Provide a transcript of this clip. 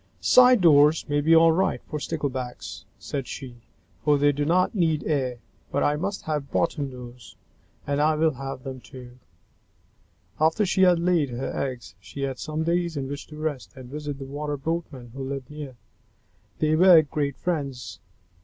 "Side doors may be all right for Sticklebacks," said she, "for they do not need air, but I must have bottom doors, and I will have them too!" After she had laid her eggs, she had some days in which to rest and visit with the Water Boatmen who lived near. They were great friends.